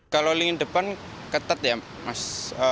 kalau lingin depan ketat ya mas